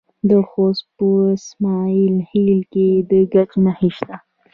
د خوست په اسماعیل خیل کې د ګچ نښې شته.